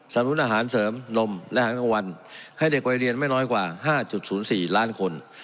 นุนอาหารเสริมนมและอาหารกลางวันให้เด็กวัยเรียนไม่น้อยกว่า๕๐๔ล้านคน